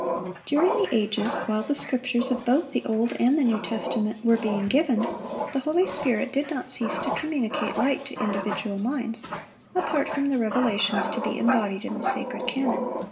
During the ages while the Scriptures of both the Old and the New Testament were being given, the Holy Spirit did not cease to communicate light to individual minds, apart from the revelations to be embodied in the Sacred Canon.